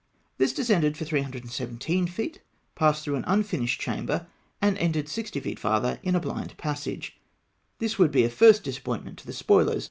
This descended for 317 feet, passed through an unfinished chamber, and ended sixty feet farther in a blind passage. This would be a first disappointment to the spoilers.